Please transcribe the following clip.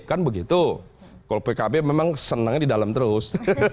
kalau pkb memang senangnya di dalam terus